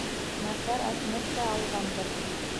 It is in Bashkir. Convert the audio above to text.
— Насар отметка алғандыр.